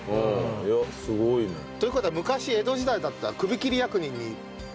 いやすごいね。という事は昔江戸時代だったら首切り役人にピッタリ。